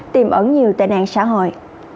tìm ẩn nhiều tệ nạn xã hội